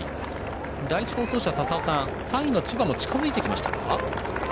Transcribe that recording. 第１放送車の佐々生さん３位の千葉も近づいてきましたか。